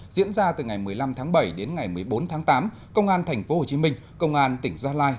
diễn ra từ ngày một mươi năm tháng bảy đến ngày một mươi bốn tháng tám công an tp hcm công an tỉnh gia lai